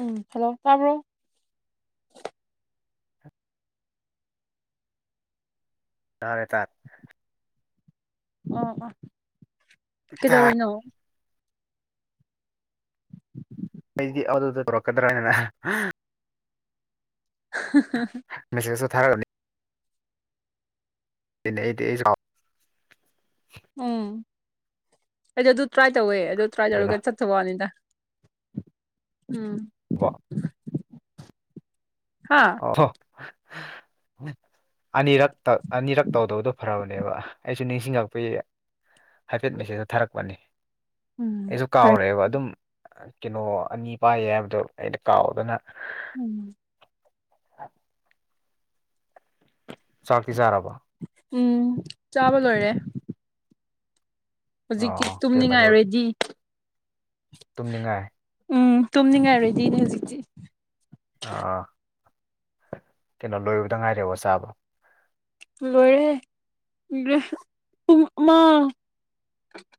ꯎꯝ hello ꯇꯥꯔꯕ꯭ꯔꯣ ꯉꯥꯡ ꯌꯦ ꯑꯣ ꯑꯥ ꯇꯥꯔꯦ ꯀꯩꯗꯧꯔꯤꯅꯣ ꯑꯩꯗꯤ ꯑꯗꯨꯗ ꯇꯧꯔꯛꯀꯗ꯭ꯔꯥꯅꯦꯅ ꯃꯁ ꯊꯔꯅꯤ ꯑꯩꯗꯤ ꯆꯥꯎꯥꯎ ꯎꯝ ꯑꯩ ꯑꯗꯨ ꯇ꯭ꯔꯥꯏ ꯇꯧꯋꯦ ꯑꯗꯨ ꯇ꯭ꯔꯥꯏ ꯀꯥꯎꯗꯅꯀꯣ ꯇꯧꯔꯒ ꯀ ꯐꯅꯤꯗ ꯎꯝ ꯋꯥ ꯍꯥ ꯑꯣ ꯑꯅꯤꯔꯛꯇ ꯑꯅꯤꯔꯛ ꯇꯧꯗꯕꯗꯣ ꯐꯔꯕꯅꯦꯕ ꯑꯩꯁꯨ ꯅꯤꯡꯁꯤꯡꯉꯛꯄꯩ ꯍꯥꯏꯐꯦꯠ ꯃꯦꯁꯦꯖꯇ ꯊꯥꯔꯛꯄꯅꯤ ꯎꯝ ꯑꯩꯁꯨ ꯀꯥꯎꯔꯦꯕ ꯑꯗꯨꯝ ꯀꯩꯅꯣ ꯑꯅꯤ ꯄꯥꯏꯌꯦ ꯍꯥꯏꯕꯗꯣ ꯑꯩꯅ ꯀꯥꯎꯗꯅ ꯎꯝ ꯑ ꯆꯥꯛꯇꯤ ꯆꯥꯔꯕꯣ ꯎꯝ ꯆꯥꯕ ꯂꯣꯏꯔꯦ ꯍꯧꯖꯤꯛꯇꯤ ꯑꯣ ꯀꯩ ꯇꯨꯝꯅꯤꯡꯉꯥꯏ ꯃꯊꯦꯜ ꯔꯦꯗꯤ ꯇꯨꯝꯅꯤꯡꯉꯥꯏ ꯎꯝ ꯇꯨꯝꯅꯤꯡꯉꯥꯏꯔꯗꯤꯅꯦ ꯍꯧꯖꯤꯛꯇꯤ ꯑꯥ ꯀꯩꯅꯣ ꯂꯣꯏꯕꯗ ꯉꯥꯏꯔꯦꯕ ꯆꯥꯕꯣ ꯂꯣꯏꯔꯦ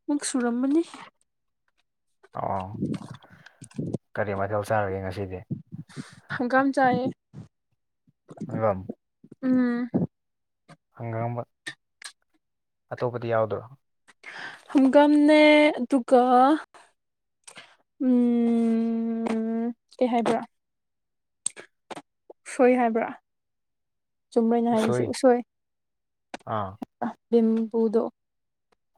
ꯃꯨꯛ ꯁꯨꯔꯝꯃꯅꯤ ꯑ ꯀꯔꯤ ꯃꯊꯧ ꯆꯥꯔꯒꯦ ꯉꯁꯤꯗꯤ ꯍꯪꯒꯥꯝ ꯆꯑ ꯑꯒꯥꯝ ꯎꯝ ꯍꯪꯒꯝꯕ ꯑꯇꯣꯞꯄꯗꯤ ꯌꯥꯎꯗ꯭ꯔꯣ ꯍꯒꯥꯝꯅꯦ ꯑꯗꯨꯒ ꯎꯝ ꯀꯩ ꯍꯥꯏꯕ꯭ꯔꯥ ꯁꯣꯏ ꯍꯥꯏꯕ꯭ꯔꯥ ꯆꯨꯝꯃꯦꯅ ꯍꯥꯏꯔꯤꯁꯦ ꯎꯁꯣꯏ ꯑꯥ ꯕꯤꯝꯕꯨꯗꯣ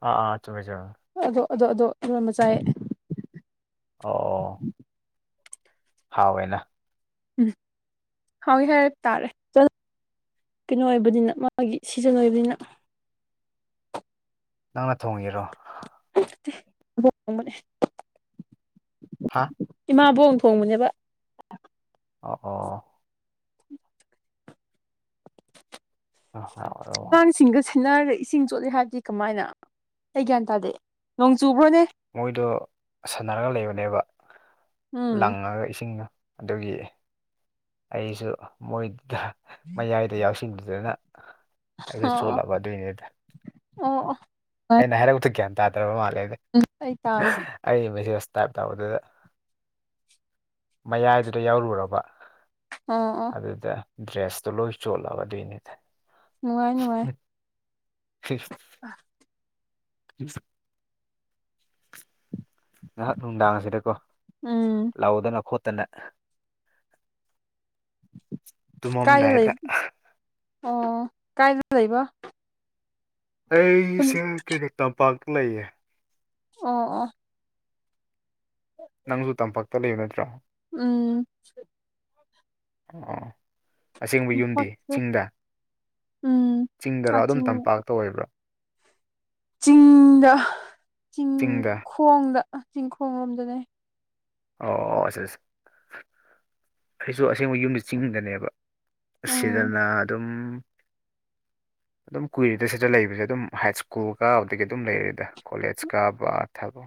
ꯑꯥ ꯑꯥ ꯆꯨꯝꯃꯦ ꯆꯨꯝꯃꯦ ꯑꯥ ꯑꯗꯣ ꯑꯗꯣ ꯏꯔꯣꯟꯕ ꯆꯥꯏ ꯑꯣ ꯑꯣ ꯍꯥꯎꯋꯦꯅ ꯎꯝ ꯍꯥꯎꯏ ꯍꯥꯏꯔꯛ ꯇꯥꯔꯦ ꯇꯠꯂ ꯀꯩꯅꯣ ꯑꯣꯏꯕꯅꯤꯅ ꯃꯥꯒꯤ ꯁꯤꯖꯟ ꯑꯣꯏꯕꯅꯤꯅ ꯅꯪꯅ ꯊꯣꯡꯉꯤꯔꯣ [unintelligible] ꯍꯥꯥ ꯏꯃꯥꯕꯣꯛꯅ ꯊꯣꯡꯕꯅꯩꯕ ꯑꯣ ꯑꯣ ꯑꯣ ꯍꯥꯎꯔ ꯃꯥꯜꯂꯦ ꯇꯁꯤꯡꯒꯁꯦ ꯅꯥꯔꯒ ꯏꯁꯤꯡ ꯆꯣꯠꯂꯦ ꯍꯥꯏꯕꯗꯤ ꯀꯃꯥꯏꯅ ꯑꯩ ꯒ꯭ꯌꯥꯟ ꯇꯥꯗꯦ ꯅꯣꯡ ꯆꯨꯕ꯭ꯔꯣꯅꯦ ꯃꯣꯏꯗꯣ ꯁꯥꯟꯅꯔꯒ ꯂꯩꯕꯅꯦꯕ ꯎꯝ ꯂꯪꯉꯒ ꯏꯁꯤꯡꯅ ꯑꯗꯨꯒꯤ ꯑꯩꯁꯨ ꯃꯣꯏꯗꯨꯗ ꯃꯌꯥꯏꯗ ꯌꯥꯎꯁꯤꯟ ꯑꯗꯨꯗꯅ ꯑꯩꯁꯨ ꯑꯣ ꯆꯣꯠꯂꯕ ꯑꯗꯨꯏꯅꯦꯗ ꯑꯣ ꯑꯣ ꯑꯣ ꯑꯩꯅ ꯍꯥꯏꯔꯛꯇꯨ ꯒ꯭ꯌꯥꯟ ꯇꯥꯗ꯭ꯔꯕ ꯃꯥꯜꯂꯦꯗ ꯑꯩ ꯇꯥ ꯑꯩ ꯃꯦꯁꯦꯖ ꯇꯥꯏꯞ ꯇꯧꯕꯗꯨꯗ ꯃꯌꯥꯏꯗꯨꯗ ꯌꯥꯎꯔꯨꯔꯕ ꯑꯣ ꯑꯣ ꯑꯗꯨꯗ ꯗ꯭ꯔꯦꯁꯇꯣ ꯂꯣꯏ ꯆꯣꯜꯂꯕ ꯑꯗꯨꯏꯅꯤꯗ ꯅꯨꯡꯉꯥꯏ ꯅꯨꯡꯉꯥꯏ ꯍꯤ [unintelligible] ꯉꯍꯥꯛ ꯅꯨꯡꯗꯥꯡꯁꯤꯗꯀꯣ ꯎꯝ ꯂꯥꯎꯗꯅ ꯈꯣꯠꯇꯅ ꯀꯥꯏꯗ ꯂꯩ ꯇꯨꯝꯃꯝꯗꯥꯏꯗ ꯑꯣ ꯀꯥꯏꯗ ꯂꯩꯕ ꯈꯨꯟ ꯑꯩꯁꯤꯡ ꯀꯦꯔꯥꯠ ꯇꯝꯄꯥꯛꯇ ꯂꯩꯌꯦ ꯑꯣ ꯑ ꯍ ꯅꯪꯁꯨ ꯇꯝꯄꯥꯛꯇ ꯂꯩꯌꯨ ꯅꯠꯇ꯭ꯔꯣ ꯎꯝ ꯑꯣ ꯑꯁꯦꯡꯕ ꯌꯨꯝꯗꯤ ꯇꯝꯄꯥꯛꯇ ꯆꯤꯡꯗ ꯎꯝ ꯆꯤꯡꯗꯔꯥ ꯑꯥ ꯑꯗꯨꯝ ꯆꯤꯡ ꯇꯝꯄꯥꯛꯇ ꯑꯣꯏꯕ꯭ꯔꯥ ꯆꯤꯡꯗ ꯆꯤꯡꯗ ꯆꯤꯡꯈꯣꯡꯗ ꯆꯤꯡꯈꯣꯡ ꯂꯣꯝꯗꯅꯦ ꯑꯣ ꯑꯁ ꯑ ꯑꯩꯁꯨ ꯑꯁꯦꯡꯕ ꯌꯨꯝꯁꯦ ꯆꯤꯡꯗꯅꯦꯕ ꯎꯝ ꯑꯁꯤꯗꯅ ꯑꯗꯨꯝ [unintelligible] ꯑꯗꯨꯝ ꯀꯨꯏꯔꯤꯗ ꯁꯤꯗ ꯂꯩꯕꯁꯦ ꯑꯗꯨꯝ ꯍꯥꯏ ꯁ꯭ꯀꯨꯜ ꯀꯥꯕꯗꯒꯤ ꯑꯗꯨꯝ ꯂꯩꯔꯦꯗ ꯀꯣꯂꯦꯖ ꯀꯥꯕ ꯊꯕ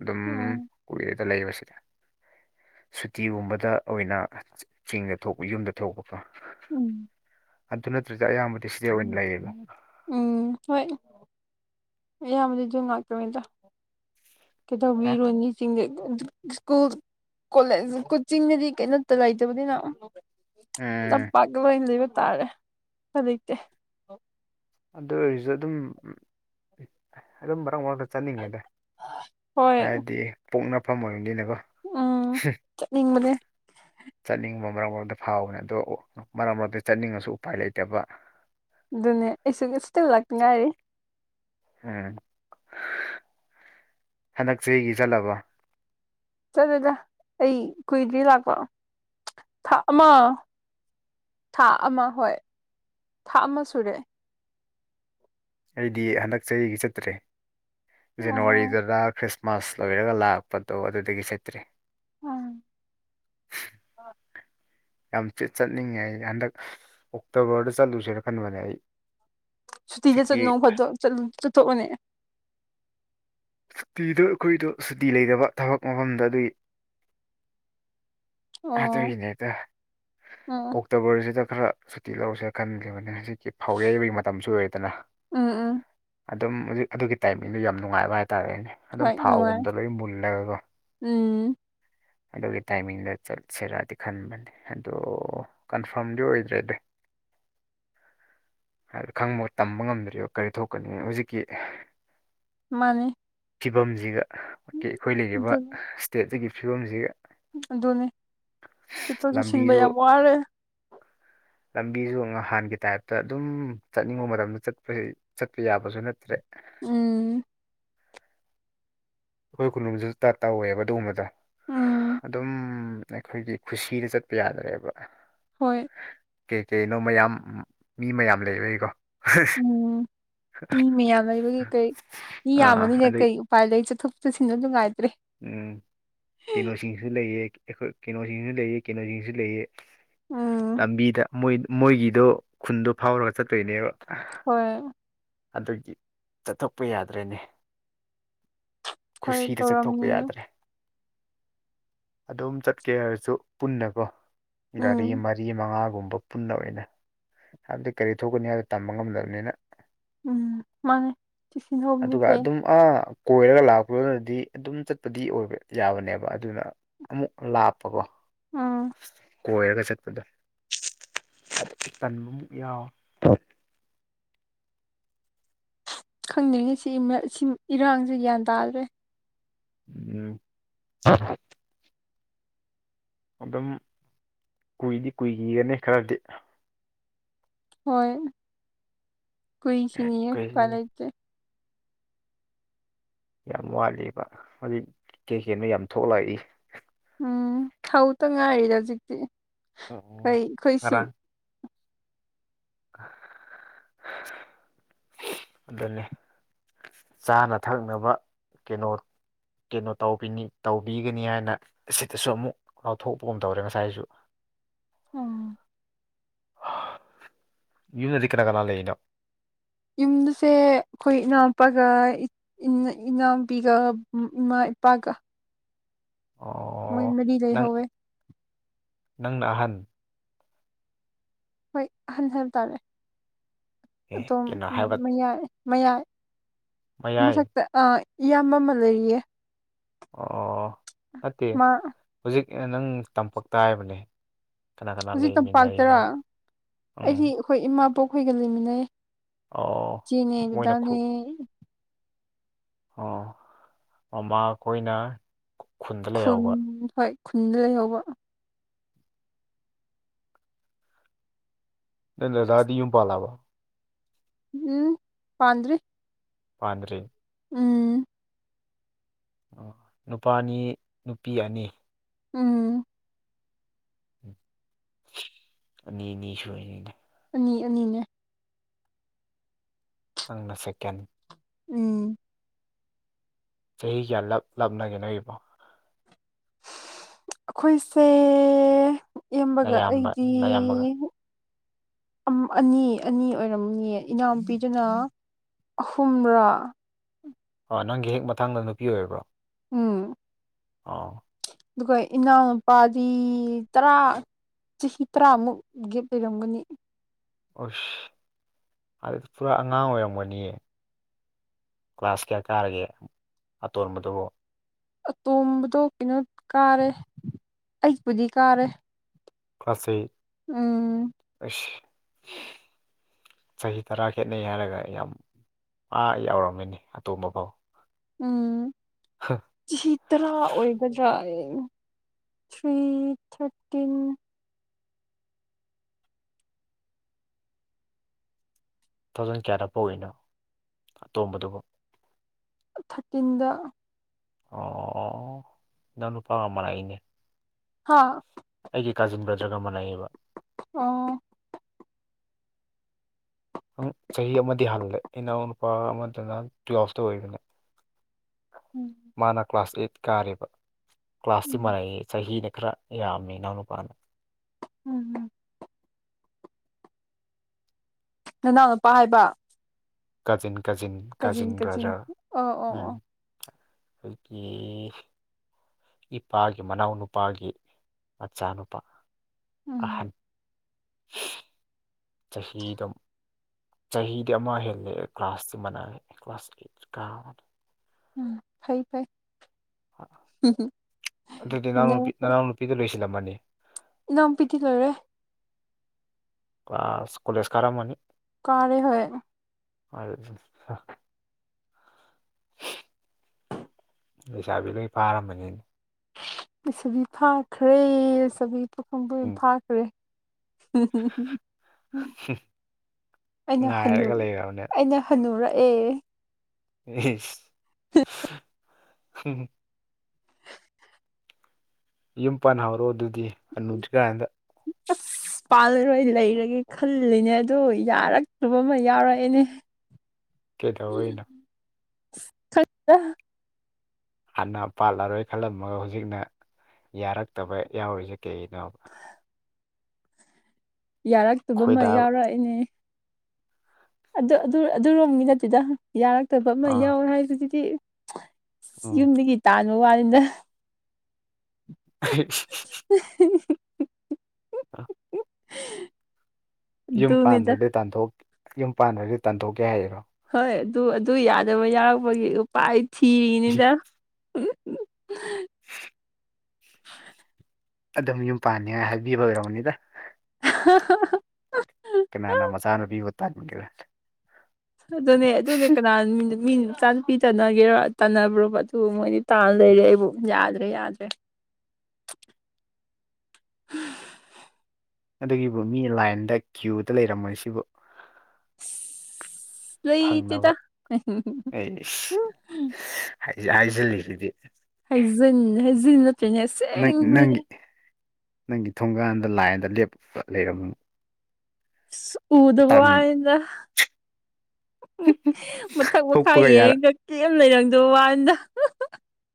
ꯑꯗꯨꯝ ꯎꯝ ꯀꯨꯏꯔꯦꯗ ꯂꯩꯕꯁꯤ ꯁꯨꯇꯤꯒꯨꯝꯕꯗ ꯑꯣꯏꯅ ꯆꯤꯡꯗ ꯊꯣꯛꯄ ꯌꯨꯝꯗ ꯊꯣꯛꯄꯀꯣ ꯎꯝ ꯑꯗꯨ ꯅꯠꯇ꯭ꯔꯗꯤ ꯑꯌꯥꯝꯕꯗꯤ ꯗꯁꯤꯗ ꯑꯣꯏꯅ ꯂꯩꯌꯦꯕ ꯎꯝ ꯍꯣꯏ ꯏꯌꯥꯝꯕꯗꯤ ꯑꯗꯨꯝ ꯉꯥꯛꯇꯅꯤꯗ ꯍꯥ ꯀꯗꯧꯕꯤꯔꯨꯅꯤ ꯆꯤꯡꯗ ꯗꯨꯝ ꯁ꯭ꯀꯨꯜ ꯀꯣꯂꯦꯖ ꯀꯣꯆꯤꯡꯗꯗꯤ ꯀꯩꯅꯣꯇ ꯂꯩꯇꯕꯅꯤꯅ ꯎꯝ ꯇꯝꯄꯥꯛꯀ ꯂꯣꯏ ꯂꯩꯕ ꯇꯥꯔꯦ ꯍꯧꯖꯤꯛꯇꯤ ꯑꯗꯨ ꯑꯣꯏꯔꯤꯁꯨ ꯑꯗꯨꯝ ꯑꯗꯨꯝ ꯃꯔꯛ ꯃꯔꯛ ꯆ ꯆꯠꯅꯤꯡꯉꯦꯗ ꯍꯣꯏ ꯍꯥꯏꯕꯗꯤ ꯄꯣꯛꯅꯐꯝ ꯑꯣꯏꯕꯅꯤꯅꯀꯣ ꯅꯤꯡ ꯃꯅꯦ ꯆꯠꯅꯤꯡꯕ ꯃꯔꯛ ꯃꯔꯛꯇ ꯐꯥꯎꯕꯅꯤ ꯑꯗꯣ ꯃꯔꯛ ꯃꯔꯛꯇ ꯆꯠꯅꯤꯡꯉꯁꯨ ꯎꯄꯥꯏ ꯂꯩꯇꯕ ꯑꯗꯨꯅꯦ ꯑꯩꯁꯨ ꯏꯁꯇꯤꯜ ꯂꯥꯛꯅꯤꯡ ꯉꯥꯏꯔꯤ ꯎꯝ ꯍꯟꯗꯛ ꯆꯍꯤꯦꯒꯤ ꯆꯠꯂꯕꯣ ꯆꯠꯂꯗ ꯑꯩ ꯀꯨꯏꯗ꯭ꯔꯤ ꯂꯥꯛꯄ ꯊꯥ ꯑꯃ ꯊꯥ ꯑꯃ ꯍꯣꯏ ꯊꯥ ꯑꯃ ꯁꯨꯔꯦ ꯑꯩꯗꯤ ꯍꯟꯗꯛ ꯆꯍꯤꯒꯤ ꯆꯠꯇ꯭ꯔꯦ ꯑꯣ ꯖꯅꯋꯥꯔꯤꯗꯨꯗꯔꯤ ꯃꯥꯁ ꯂꯣꯏꯔꯒ ꯂꯥꯛꯄꯗꯣ ꯑꯗꯨꯗꯒꯤ ꯆꯠꯇ꯭ꯔꯦ ꯎꯝ ꯌꯥꯝ ꯆꯠꯅꯤꯡꯉꯦ ꯑꯩ ꯍꯟꯗꯛ ꯑꯣꯛꯇꯣꯕꯔꯗ ꯆꯠꯂꯨꯁꯦꯅ ꯈꯟꯕꯅꯦ ꯑꯩ ꯁꯨꯇꯤꯗ ꯍꯧꯖꯤꯛꯀꯤ ꯆꯠꯅꯨ ꯈꯣꯠꯇꯣ ꯆꯠꯊꯣꯛꯑꯅꯦ ꯁꯨꯇꯤꯗ ꯑꯩꯈꯣꯏꯗꯣ ꯁꯨꯇꯤ ꯂꯩꯕ ꯊꯕꯛ ꯃꯐꯝꯗ ꯑꯗꯨꯏ ꯑꯣ ꯎꯝ ꯑꯗꯨꯏꯅꯦꯛꯇ ꯎꯝ ꯑꯣꯛꯇꯣꯕꯔꯁꯤꯗ ꯈꯔ ꯁꯨꯇꯤ ꯂꯧꯔꯁꯦ ꯈꯟꯈꯤꯕꯅꯦ ꯍꯧꯖꯤꯛ ꯐꯥꯎ ꯌꯩꯕꯒꯤ ꯃꯇꯝꯁꯨ ꯑꯣꯏꯔꯦꯗꯅ ꯎꯝ ꯎꯝ ꯑꯗꯨꯝ ꯍꯧꯛ ꯑꯗꯨꯒꯤ ꯇꯥꯏꯃꯤꯡꯗꯣ ꯌꯥꯝ ꯅꯨꯡꯉꯥꯏꯕ ꯍꯥꯏꯇꯥꯔꯦꯅꯦ ꯑꯗꯨꯝ ꯍꯣꯏ ꯅꯨꯡꯉꯥꯏ ꯐꯥꯎꯒꯨꯝꯕꯗ ꯂꯣꯏ ꯃꯨꯜꯂꯒꯒꯣ ꯎꯝ ꯑꯗꯨꯒꯤ ꯇꯥꯏꯃꯤꯡꯗ ꯆꯠꯁꯤꯔꯗꯤ ꯈꯟꯕꯅꯦ ꯑꯗꯣ ꯀꯟꯐꯥꯔꯝꯗꯤ ꯑꯣꯏꯗ꯭ꯔꯦ ꯑꯗꯨ ꯍꯥꯏꯗꯤꯣ ꯈꯪꯕ ꯇꯝꯕ ꯉꯝꯗ꯭ꯔꯤꯕ ꯀꯔꯤ ꯊꯣꯛꯀꯅꯤ ꯍꯧꯖꯤꯛꯀꯤ ꯃꯥꯅꯦ ꯐꯤꯕꯝꯁꯤꯒ ꯑꯩꯈꯣꯏ ꯂꯩꯔꯤꯕ ꯑꯗꯨꯅꯤ ꯁ꯭ꯇꯦꯠꯁꯤꯒꯤ ꯐꯤꯕꯝꯁꯤꯒ ꯑꯗꯨꯅꯤ ꯁꯤꯠꯇꯣꯛꯁꯨ ꯁꯤꯟꯕ ꯂꯝꯕꯤꯁꯨ ꯌꯥꯝ ꯋꯥꯔꯦ ꯂꯝꯕꯤꯁꯨ ꯅꯍꯥꯟꯒꯤ ꯇꯥꯏꯞꯇ ꯑꯗꯨꯝ ꯆꯠꯅꯤꯡꯕ ꯃꯇꯝꯗ ꯆꯠꯄꯁꯦ ꯆꯠꯄ ꯌꯥꯕꯁꯨ ꯅꯠꯇ꯭ꯔꯦ ꯎꯝ ꯑꯩꯈꯣꯏ ꯀ ꯈꯨꯂꯅꯨꯡꯝꯁꯨ ꯇ ꯇꯧꯋꯦꯕ ꯑꯗꯨꯒꯨꯝꯕꯗ ꯎꯝ ꯑꯗꯨꯝ ꯑꯩꯈꯣꯏꯒꯤ ꯈꯨꯁꯤꯗ ꯆꯠꯄ ꯌꯥꯗ꯭ꯔꯦꯕ ꯍꯣꯏ ꯀꯩ ꯀꯩꯅꯣ ꯃꯌꯥꯝ ꯃꯤ ꯃꯌꯥꯝ ꯂꯩꯕ ꯑꯩꯀꯣ ꯎꯝ ꯃꯤ ꯃꯌꯥꯝ ꯂꯩꯕꯒꯤ ꯀꯩ ꯃꯤ ꯑꯥ ꯌꯥꯝꯃꯅꯤꯅ ꯑꯗꯩ ꯀꯔꯤ ꯎ ꯄꯥꯏ ꯂꯩꯩ ꯆꯠꯊꯣꯛ ꯆꯠꯁꯤꯟꯁꯨ ꯅꯨꯡꯉꯥꯏꯇ꯭ꯔꯦ ꯀꯩꯅꯣꯁꯤꯡꯁꯨ ꯂꯩꯑ ꯑꯩꯈꯣꯏ ꯀꯩꯅꯣꯁꯤꯡꯁꯨ ꯂꯩꯑ ꯀꯩꯅꯣꯁꯤꯡꯁꯨ ꯂꯩꯑ ꯎꯝ ꯂꯝꯕꯤꯗ ꯃꯣꯏ ꯃꯣꯏꯒꯤꯗꯣ ꯈꯨꯟꯗꯣ ꯐꯥꯎꯔꯒ ꯆꯠꯇꯣꯏꯅꯦꯕ ꯍꯣꯏ ꯑꯗꯨꯒꯤ ꯆꯠꯊꯣꯛꯄ ꯌꯥꯗ꯭ꯔꯦꯅꯦ ꯍꯣꯏ ꯈꯨꯁꯤꯗ ꯆꯠꯊꯣꯛꯄ ꯇꯧꯔꯝꯅꯤꯌꯦ ꯌꯥꯗ꯭ꯔꯦ ꯑꯗꯨꯝ ꯆꯠꯀꯦ ꯍꯥꯏꯔꯁꯨ ꯄꯨꯟꯅꯀꯣ ꯒꯥꯔꯤ ꯎꯝ ꯃꯔꯤ ꯃꯉꯥꯒꯨꯝꯕ ꯄꯨꯟꯗꯧꯔꯦꯗ ꯍꯥꯏꯕꯗꯤ ꯀꯔꯤ ꯊꯣꯛꯀꯅꯤ ꯍꯥꯏꯕ ꯇꯝꯕ ꯉꯝꯗꯕꯅꯤꯅ ꯎꯝ ꯃꯥꯡꯉꯦ ꯇꯤꯐꯤꯟ ꯂꯣꯝꯗꯗꯤ ꯐꯩ ꯑ ꯀꯣꯏꯔꯒ ꯂꯥꯛꯄꯗꯨꯅꯗꯤ ꯑꯗꯨꯝ ꯆꯠꯄꯗꯤ ꯑꯣꯏꯕ ꯌꯥꯕꯅꯦꯕ ꯑꯗꯨꯅ ꯑꯃꯨꯛ ꯂꯥꯞꯄꯀꯣ ꯎꯝ ꯀꯣꯏꯔꯒ ꯆꯠꯄꯗꯣ ꯇꯟꯕꯃꯨꯛ ꯌꯥꯎꯋꯦ ꯈꯪꯅꯤꯡꯉꯤ ꯁꯤ ꯁꯤ ꯏꯔꯥꯡꯁꯦ ꯒ꯭ꯌꯥꯟ ꯇꯥꯗ꯭ꯔꯦ ꯎꯝ ꯑꯗꯨꯝ ꯀꯨꯏꯗꯤ ꯀꯨꯏꯈꯤꯒꯅꯤ ꯈꯔꯗꯤ ꯍꯣꯏ ꯀꯏꯁꯤꯅꯤꯦ ꯀꯩ ꯀꯂꯦꯇ ꯌꯥꯝ ꯋꯥꯠꯂꯤꯕ ꯍꯧꯖꯤꯛ ꯀꯩꯀꯩꯅꯣ ꯌꯥꯝ ꯊꯣꯛꯂꯛꯏ ꯎꯝ ꯍꯧꯇ ꯉꯥꯏꯔꯤꯗ ꯍꯧꯖꯤꯛꯇꯤ ꯑꯣ ꯀꯩ ꯑꯣ ꯑꯩꯈꯣꯏ ꯁꯤ ꯉꯔꯥꯡ ꯑꯗꯨꯅꯤ ꯆꯥꯅ ꯊꯛꯅꯕ ꯀꯩꯅꯣ ꯀꯩꯅꯣ ꯇꯧꯕꯤꯅꯤ ꯇꯧꯕꯤꯒꯅꯤ ꯍꯥꯏꯅ ꯑꯁꯤꯗꯁꯨ ꯑꯃꯨꯛ ꯂꯧꯊꯣꯛꯄꯒꯨꯝ ꯇꯧꯔꯦ ꯉꯁꯥꯏꯁꯨ ꯑꯣ ꯌꯨꯝꯗꯗꯤ ꯀꯅꯥ ꯀꯅꯥ ꯂꯩꯔꯤꯅꯣ ꯌꯨꯝꯗꯁꯦ ꯑꯩꯈꯣꯏ ꯏꯅꯥꯎꯄꯥꯒ ꯏꯟꯅ ꯏꯅꯥꯎꯄꯤꯒ ꯎꯝ ꯏꯃꯥ ꯏꯄꯥꯒ ꯃꯣꯏ ꯑꯣ ꯃꯔꯤ ꯅꯪ ꯂꯩꯍꯧꯋꯦ ꯅꯪꯅ ꯑꯍꯟ ꯍꯣꯏ ꯑꯍꯟ ꯍꯥꯏꯕ ꯇꯥꯥꯔꯦ ꯑꯦ ꯑꯗꯣꯝ ꯀꯩꯅꯣ ꯍꯥꯏꯕ ꯃꯌꯥꯏ ꯃꯌꯥ ꯃꯌꯥꯏ ꯃꯊꯛꯇ ꯑ ꯏꯌꯥꯝꯕ ꯑꯃ ꯂꯩꯔꯤꯌꯦ ꯑꯣ ꯑꯣ ꯑꯣ ꯅꯠꯇꯦ ꯃꯥ ꯍꯧꯖꯤꯛ ꯑꯩꯅ ꯅꯪ ꯇꯝꯄꯥꯛꯇ ꯍꯥꯏꯕꯅꯦ ꯀꯅꯥ ꯀꯅꯥ ꯍꯧꯖꯤꯛ ꯇꯝꯄꯥꯛꯇꯔꯥ ꯂꯩꯃꯤꯟꯅꯔꯤꯅꯣꯕ ꯎꯝ ꯑꯩꯗꯤ ꯑꯩꯈꯣꯏ ꯏꯃꯥ ꯄꯣꯛꯄꯤꯒ ꯂꯩꯃꯤꯟꯅꯩꯌꯦ ꯑꯣ ꯏꯆꯦꯅꯦ ꯃꯣꯏꯅ ꯈꯨ ꯗꯗꯥꯅꯦ ꯑꯣ ꯃꯃꯥ ꯈꯣꯏꯅ ꯈꯨꯟꯗ ꯈꯨꯟ ꯂꯩꯍꯧꯕ ꯍꯣꯏ ꯈꯨꯟꯗ ꯂꯩꯍꯧꯕ ꯅꯪ ꯗꯥꯗꯥꯗꯤ ꯌꯨꯝ ꯄꯥꯜꯂꯕꯣ ꯎꯝ ꯄꯥꯟꯗ꯭ꯔꯤ ꯄꯥꯟꯗ꯭ꯔꯤ ꯎꯝ ꯑꯣ ꯅꯨꯄꯥꯅꯤ ꯅꯨꯄꯤ ꯑꯅꯤ ꯎꯝ ꯑꯅꯤ ꯑꯅꯤ ꯁꯨꯔꯅꯤꯗꯥ ꯑꯅꯤ ꯑꯅꯤꯅꯦ ꯅꯪꯅ ꯁꯦꯀꯦꯟ ꯎꯝ ꯆꯍꯤ ꯀꯌꯥ ꯂꯞ ꯂꯥꯞꯅꯒꯦ ꯅꯣꯏꯒꯤꯕꯣ ꯑꯩꯈꯣꯏꯁꯦ ꯏꯌꯥꯝꯕꯒ ꯅꯌꯥꯝꯕ ꯑꯩꯗꯤ ꯅꯌꯥꯝꯕꯒ ꯑꯝ ꯑꯅꯤ ꯑꯅꯤ ꯑꯣꯏꯔꯝꯃꯅꯤꯌꯦ ꯏꯅꯥꯎꯅꯨꯄꯤꯗꯨꯅ ꯑꯍꯨꯝꯔꯥ ꯑ ꯅꯪꯒꯤ ꯍꯦꯛ ꯃꯊꯡꯗ ꯅꯨꯄꯤ ꯑꯣꯏꯔꯕ꯭ꯔꯣ ꯎꯝ ꯑꯣ ꯑꯗꯨꯒ ꯏꯅꯥꯎꯅꯨꯄꯥꯗꯤ ꯇꯔꯥ ꯆꯍꯤ ꯇꯔꯥꯃꯨꯛ ꯒꯦꯞ ꯂꯩꯔꯝꯒꯅꯤ ꯑꯁ ꯑꯗꯨꯗꯤ ꯄꯨꯔꯥ ꯑꯉꯥꯡ ꯑꯣꯏꯔꯝꯒꯅꯤꯌꯦ ꯀ꯭ꯂꯥꯁ ꯀꯌꯥ ꯀꯥꯔꯒꯦ ꯑꯇꯣꯟꯕꯗꯨꯕꯨ ꯑꯇꯣꯝꯕꯗꯣ ꯀꯩꯅꯣ ꯀꯥꯔꯦ ꯑꯩꯄꯨꯗꯤ ꯀꯥꯔꯦ ꯀ꯭ꯂꯥꯁꯩ ꯎꯝ ꯑꯁ ꯆꯍꯤ ꯇꯔꯥ ꯈꯦꯠꯅꯩ ꯍꯥꯏꯔꯒ ꯑꯩ ꯌꯥꯝ ꯑꯥ ꯌꯥꯎꯔꯝꯃꯅꯤ ꯑꯇꯣꯝꯕ ꯐꯥꯎ ꯎꯝ ꯆꯍꯤ ꯇꯔꯥ ꯑꯣꯏꯒꯗ꯭ꯔꯥ ꯊ꯭ꯔꯤ ꯊꯥꯔꯇꯤꯟ ꯊꯥꯎꯖꯟ ꯀꯌꯥꯗ ꯄꯣꯛꯏꯅꯣ ꯑꯇꯣꯝꯕꯗꯨꯕꯣ ꯊꯠꯇꯤꯟꯗꯥ ꯑꯣ ꯑꯣ ꯑꯣ ꯑꯣ ꯏꯅꯥꯎꯅꯨꯄꯥꯒ ꯃꯥꯟꯅꯩꯅꯦ ꯍꯥ ꯑꯩꯒꯤ ꯀꯥꯖꯤꯟ ꯕ꯭ꯔꯗ꯭ꯔꯒ ꯃꯥꯥꯟꯅꯩꯌꯦꯕ ꯑ ꯅꯪ ꯆꯍꯤ ꯑꯃꯗꯤ ꯍꯜꯂꯦ ꯏꯅꯥꯎ ꯅꯨꯄꯥ ꯑꯃꯗꯅ ꯇꯨꯌꯦꯜꯐꯇ ꯑꯣꯏꯕꯅꯦ ꯎꯝ ꯃꯥꯅ ꯀ꯭ꯂꯥꯁ ꯑꯦꯠ ꯀꯥꯔꯦꯕ ꯀ꯭ꯂꯥꯁꯇꯤ ꯎꯝ ꯃꯅ ꯆꯍꯤꯅ ꯈꯔ ꯌꯥꯝꯃꯤ ꯏꯅꯥꯎ ꯅꯨꯄꯥꯅ ꯎꯝꯝ ꯅꯅꯥꯎ ꯅꯨꯄꯥ ꯍꯥꯏꯕ cousin cousin cousin cousin cousin brother ꯑꯣ ꯑꯣ ꯎꯝ ꯑꯣ ꯑꯗꯒꯤ ꯏꯄꯥꯒꯤ ꯃꯅꯥꯎ ꯅꯨꯄꯥꯒꯤ ꯃꯆꯥꯅꯨꯄꯥ ꯑꯍꯟ ꯎꯝ ꯆꯍꯤꯗꯝ ꯆꯍꯤꯗꯤ ꯑꯃ ꯍꯦꯜꯂꯛꯦ ꯀ꯭ꯂꯥꯁꯇꯤ ꯃꯅꯥꯛ ꯀ꯭ꯂꯥꯁ ꯑꯩ ꯀꯥ ꯑꯃꯗ ꯎꯝ ꯐꯩ ꯐꯩ ꯑꯗꯨꯗꯤ ꯃꯅꯦꯝ ꯅꯅꯥꯎꯄꯤ ꯅꯅꯥꯎ ꯅꯨꯄꯤꯗ ꯂꯣꯏꯁꯤꯜꯂꯝꯃꯅꯤ ꯏꯅꯥꯎ ꯄꯤꯗꯤ ꯂꯣꯏꯔꯦ ꯀꯣꯂꯦꯖ ꯀꯥꯔꯝꯃꯅꯤ ꯀꯥꯔꯦ ꯍꯣꯏ ꯑ ꯂꯩꯁꯥꯕꯤ ꯂꯣꯏ ꯐꯥꯔꯝꯕꯅꯤꯅꯦ ꯁꯨꯕꯤ ꯊꯥꯈ꯭ꯔꯦ ꯆꯕꯤ ꯄꯈꯐꯝꯕꯨꯝ ꯎꯝ ꯐꯥꯈ꯭ꯔꯦ ꯎ ꯑꯩꯅ ꯍ ꯉꯥꯏꯔꯒ ꯂꯩꯔꯕꯅꯦ ꯑꯩꯅ ꯍꯟꯅꯨꯔꯛꯑꯦ ꯏ ꯌꯨꯝ ꯄꯥꯟ ꯍꯧꯔꯣꯑꯣ ꯑꯗꯨꯗꯤꯨꯗ꯭ꯔꯤ ꯀꯥꯏ ꯍꯗ ꯎ ꯄꯥꯜꯂꯔꯣꯏ ꯂꯩꯔꯒꯦ ꯈꯜꯂꯤꯅꯦ ꯑꯗꯨ ꯌꯥꯔꯛꯇ꯭ꯔꯨꯕ ꯑꯃ ꯌꯥꯎꯔꯛꯑꯦꯅꯦ ꯀꯩꯗꯧꯩꯅ ꯊ ꯍꯥꯟꯅ ꯄꯥꯠꯂꯔꯣꯏ ꯈꯜꯂꯝꯃꯒ ꯍꯧꯖꯤꯛꯅ ꯌꯥꯔꯛꯇꯕ ꯌꯥꯎꯔꯤꯁꯦ ꯀꯩꯒꯤꯅꯣꯕ ꯌꯥꯔꯛꯇꯨꯕ ꯑꯃ ꯈꯣꯏꯗꯥ ꯌꯥꯎꯔꯛꯏꯅꯦ ꯑꯗꯨ ꯑꯗꯨ ꯑꯗꯨꯔꯣꯝꯒꯤ ꯅꯠꯇꯗ ꯌꯥꯔꯛꯇꯕ ꯑꯃ ꯑꯥ ꯌꯥꯎꯔꯦ ꯍꯥꯏꯗꯨꯗꯤ ꯎꯝ ꯌꯨꯝꯗꯒꯤ ꯇꯥꯟꯕ ꯋꯥꯅꯤꯗ [unintelligible] ꯑ ꯎꯝ ꯌꯨꯝ ꯄꯥꯟꯗ꯭ꯔꯗꯤ ꯌꯨꯝ ꯄꯥꯟꯈ꯭ꯔꯗꯤ ꯇꯥꯟꯊꯣꯛꯀꯦ ꯍꯥꯏꯔꯣ ꯍꯣꯏ ꯑꯗꯨ ꯑꯗꯨ ꯌꯥꯗꯕ ꯌꯥꯎꯔꯛꯄꯒꯤ ꯎꯄꯥꯏ ꯊꯤꯔꯤꯅꯤꯗ ꯑꯗꯨꯝ ꯌꯨꯝ ꯄꯥꯟꯅꯤꯡꯉꯥꯏ ꯍꯥꯏꯕꯤꯕ ꯑꯣꯏꯔꯕꯅꯤꯗ ꯍ ꯀꯅꯥꯅ ꯃꯆꯥꯅꯣ ꯄꯤꯕ ꯇꯥꯛꯄꯤꯒꯦꯔ ꯑꯗꯨꯅꯦ ꯑꯗꯨꯅꯦ ꯀꯅꯥꯃꯤ ꯃꯤ ꯅꯨꯆꯥ ꯅꯨꯨꯄꯤ ꯇꯥꯟꯅꯒꯦꯔꯣ ꯇꯥꯟꯅꯕ꯭ꯔꯣ ꯑꯗꯨ ꯃꯣꯏꯗꯤ ꯇꯥꯅ ꯂꯩꯔꯦ ꯑꯩꯕꯨ ꯌꯥꯗ꯭ꯔꯦ ꯌꯥꯗ꯭ꯔꯦ ꯎ ꯑꯗꯨꯒꯤꯕꯨ ꯃꯤ ꯂꯥꯏꯟꯗ ꯀ꯭ꯌꯨꯗ ꯂꯩꯔꯝꯃꯣꯏ ꯁꯤꯕꯨ ꯂꯩꯇꯦꯗ ꯐꯪꯅꯕ ꯑꯩ ꯍꯥꯏꯖꯤꯜꯂꯤꯁꯤꯗꯤ ꯍꯩꯖꯟ ꯍꯩꯖꯤꯟ ꯅꯠꯇ꯭ꯔꯅꯦ ꯅꯪ ꯑꯁꯦꯡꯕꯅꯦ ꯅꯪꯒꯤ ꯅꯪꯒꯤ ꯊꯣꯡꯒꯥꯟꯗ ꯂꯥꯏꯟꯗ ꯂꯦꯞꯄ ꯂꯩꯔꯝ ꯁ ꯎꯗꯕ ꯋꯥꯅ ꯃꯊꯛ ꯃꯈꯥ ꯊꯣꯛꯄꯒ ꯌꯥꯔ ꯌꯦꯡꯉꯦꯗ ꯀꯔꯤ ꯂꯩꯔꯝꯗꯣ ꯋꯥꯟꯗ